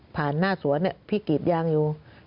หน้าสวนพี่กรีดยางอยู่